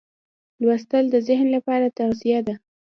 لوستل د ذهن لپاره تغذیه ده.